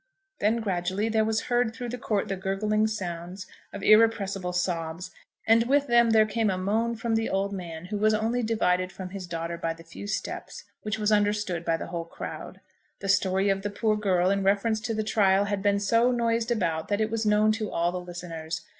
Then gradually there was heard through the court the gurgling sounds of irrepressible sobs, and with them there came a moan from the old man, who was only divided from his daughter by the few steps, which was understood by the whole crowd. The story of the poor girl, in reference to the trial, had been so noised about that it was known to all the listeners.